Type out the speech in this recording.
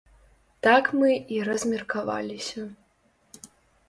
Так мы і размеркаваліся.